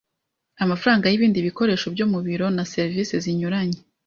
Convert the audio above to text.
Amafaranga y ibindi bikoresho byo mu biro na servisi zinyuranye